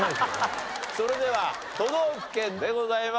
それでは都道府県でございます。